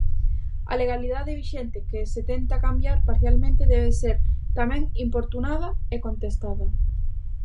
A legalidade vixente que se tenta cambiar parcialmente debe ser tamén importunada e contestada.